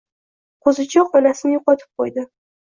Qo'zichoq onasini yo'qotib qo'ydi